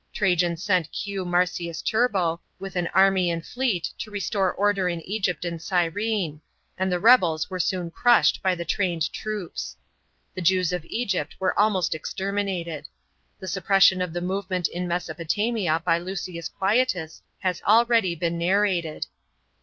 Tr;ijan sent Q. Marcius Turbo, with an army and fleet, to restore order in Kgypt and Gyrene, and the rebels were soon crushed l>y the trained troops. The Jews of Egypt were almost exterminated. The suppression of the movement in Mesopotamia by Lus>ius Quietus has already been ua' rated.